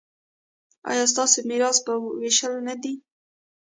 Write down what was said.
ایا ستاسو میراث به ویشل نه شي؟